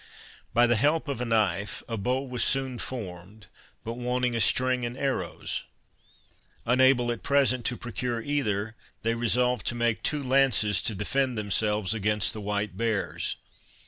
By the help of a knife, a bow was soon formed but wanting a string and arrows. Unable at present to procure either, they resolved to make two lances to defend themselves against the white bears.